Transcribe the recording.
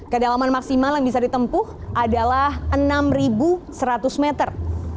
kedalaman maksimal yang bisa ditempuh adalah enam seratus meter